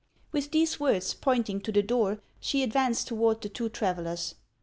With these words, pointing to the door, she advanced toward the two trav ellers.